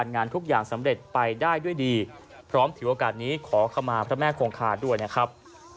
งานทุกอย่างสำเร็จไปได้ด้วยดีพร้อมถือโอกาสนี้ขอขมาพระแม่คงคาด้วยนะครับ